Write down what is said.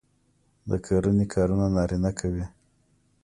د کرنې کارونه نارینه کوي.